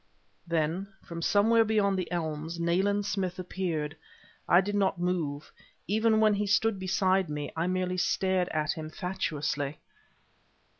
Then, from somewhere beyond the elms, Nayland Smith appeared. I did not move. Even when he stood beside me, I merely stared at him fatuously.